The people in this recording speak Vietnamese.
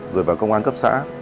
rồi vào công an cấp xã